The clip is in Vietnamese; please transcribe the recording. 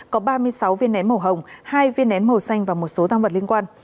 có ba mươi sáu viên nén màu hồng hai viên nén màu xanh và một số tăng vật liên quan